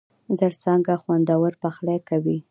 زرڅانگه! خوندور پخلی کوي.